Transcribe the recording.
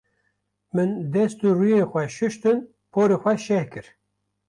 Min dest û rûyên xwe şûştin, porê xwe şeh kir.